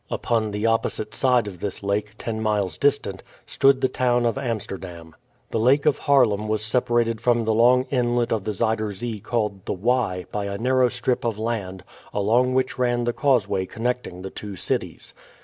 Upon the opposite side of this lake, ten miles distant, stood the town of Amsterdam. The Lake of Haarlem was separated from the long inlet of the Zuider Zee called the Y by a narrow strip of land, along which ran the causeway connecting the two cities.